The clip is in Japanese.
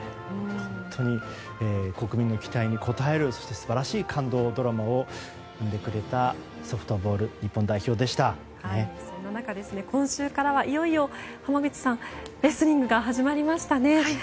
本当に国民の期待に応えるそして素晴らしい感動のドラマ生んでくれたそんな中今秋からいよいよ浜口さんレスリングが始まりましたね。